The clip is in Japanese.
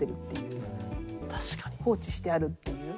放置してあるっていう。